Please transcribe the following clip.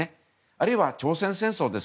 あるいは、朝鮮戦争。